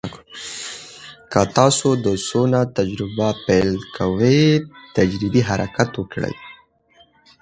که تاسو د سونا تجربه پیل کوئ، تدریجي حرکت وکړئ.